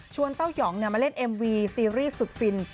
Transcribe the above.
เต้ายองมาเล่นเอ็มวีซีรีส์สุดฟิน